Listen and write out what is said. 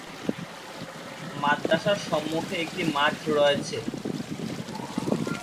মাদ্রাসার সম্মুখে একটি মাঠ রয়েছে।